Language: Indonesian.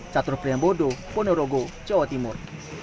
catur priambodo ponorogo jawa timur